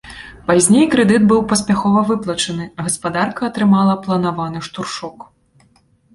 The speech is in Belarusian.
Пазней крэдыт быў паспяхова выплачаны, а гаспадарка атрымала планаваны штуршок.